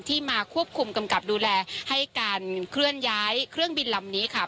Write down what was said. มาควบคุมกำกับดูแลให้การเคลื่อนย้ายเครื่องบินลำนี้ค่ะ